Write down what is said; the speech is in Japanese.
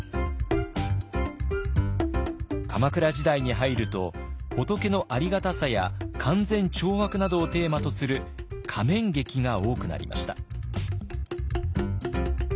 鎌倉時代に入ると仏のありがたさや勧善懲悪などをテーマとする仮面劇が多くなりました。